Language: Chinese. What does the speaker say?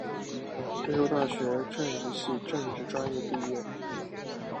郑州大学政治系政治专业毕业。